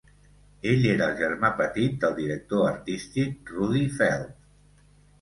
Ell era el germà petit del director artístic Rudi Feld.